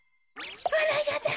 あらやだ。